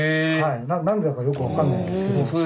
何でだかよく分かんないんですけど。